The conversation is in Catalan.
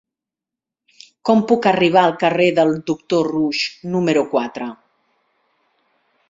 Com puc arribar al carrer del Doctor Roux número quatre?